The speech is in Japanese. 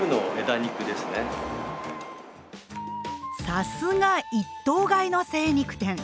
さすが一頭買いの精肉店！